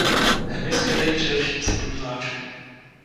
Hmyz chytají především spodní láčky.